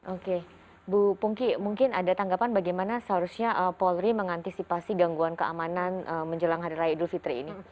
oke bu pungki mungkin ada tanggapan bagaimana seharusnya polri mengantisipasi gangguan keamanan menjelang hari raya idul fitri ini